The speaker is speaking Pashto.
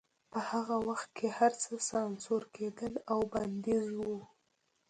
په هغه وخت کې هرڅه سانسور کېدل او بندیز و